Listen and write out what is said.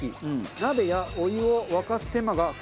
鍋やお湯を沸かす手間が不要。